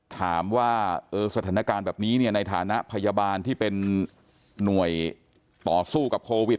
ถามว่าสถานการณ์แบบนี้ในฐานะพยาบาลที่เป็นหน่วยต่อสู้กับโควิด